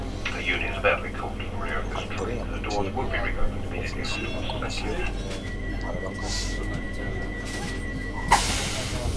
Andrea Bocelli ofreció un concierto para la ocasión.